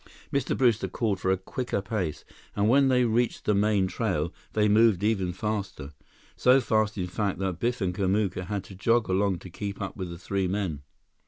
Mr. Brewster called for a quicker pace, and when they reached the main trail, they moved even faster—so fast in fact, that Biff and Kamuka had to jog along to keep up with the three men.